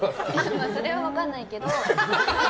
それは分からないけど。